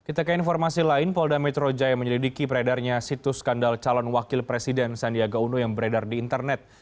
kita ke informasi lain polda metro jaya menyelidiki peredarnya situs skandal calon wakil presiden sandiaga uno yang beredar di internet